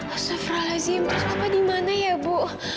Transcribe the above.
astagfirullahaladzim terus papa di mana ya bu